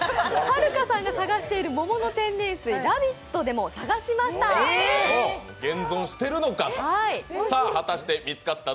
はるかさんが探している桃の天然水、「ラヴィット！」でも探しました。